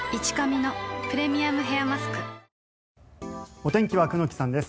お天気は久能木さんです。